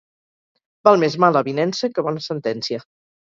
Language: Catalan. Val més mala avinença que bona sentència.